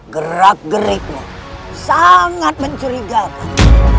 gerak gerikmu sangat mencurigakan